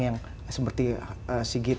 yang seperti sigit